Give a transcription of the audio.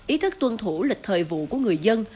ý thức tuân thủ lịch thời vụ của người dân